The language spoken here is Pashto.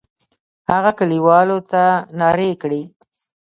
هغه کلیوالو ته نارې کړې.